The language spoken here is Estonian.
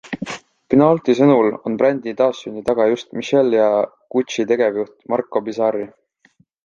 Pinaulti sõnul on brändi taassünni taga just Michele ja Gucci tegevjuht Marco Bizzarri.